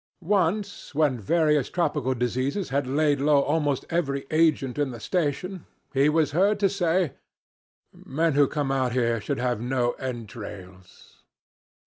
Once when various tropical diseases had laid low almost every 'agent' in the station, he was heard to say, 'Men who come out here should have no entrails.'